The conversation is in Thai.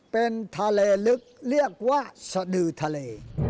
เป็นทะเลลึกเรียกว่าสดือทะเล